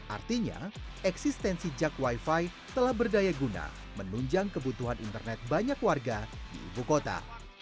artinya eksistensi jak wifi telah berdaya guna menunjang kebutuhan internet banyak warga di ibu kota